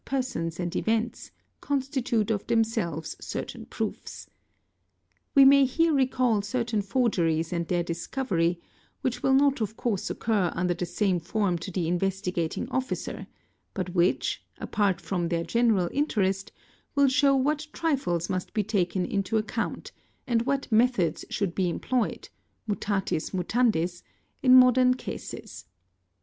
sons and events, constitute of themselves certain proofs. We may here recall certain forgeries and their discovery, which will not of course oceur under the same form to the Investigating Officer, but which, apart from their general interest, will show what trifles must be taken into account ~ and what methods should be employed, mutates mutandis, in modern cases.